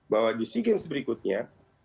bahwa di sea games berikutnya